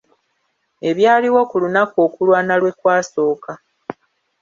Ebyaliwo ku lunaku okulwana lwe kwasooka.